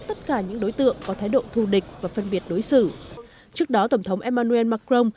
tất cả những đối tượng có thái độ thù địch và phân biệt đối xử trước đó tổng thống emmanuel macron